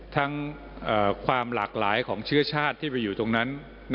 ทั้งความหลากหลายของเชื้อชาติที่ไปอยู่ตรงนั้น